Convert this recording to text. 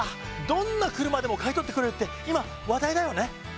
どんな車でも買い取ってくれるって今話題だよね。